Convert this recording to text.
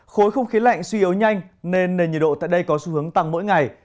khối không khí lạnh suy yếu nhanh nên nền nhiệt độ tại đây có xu hướng tăng mỗi ngày